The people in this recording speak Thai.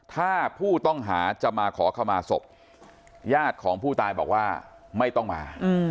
ถ้าผู้ต้องหาจะมาขอขมาศพญาติของผู้ตายบอกว่าไม่ต้องมา